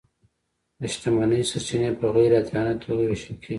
د شتمنۍ سرچینې په غیر عادلانه توګه وېشل کیږي.